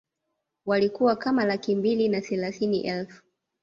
Walikuwa kama laki mbili na thelathini elfu